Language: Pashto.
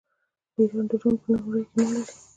د ایران ډرون په نړۍ کې نوم لري.